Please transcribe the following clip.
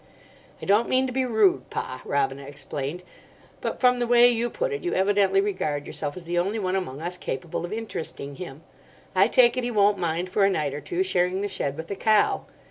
"I don't mean to be rude, Pa," Robina explained, "but from the way you put it you evidently regard yourself as the only one among us capable of interesting him. I take it he won't mind for a night or two sharing the shed with the cow.